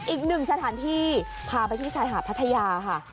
อีกหนึ่งสถานที่พาไปที่ชายหาดพัทยาค่ะ